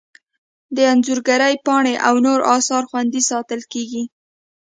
د انځورګرۍ پاڼې او نور اثار خوندي ساتل کیږي.